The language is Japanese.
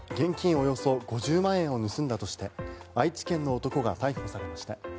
およそ５０万円を盗んだとして愛知県の男が逮捕されました。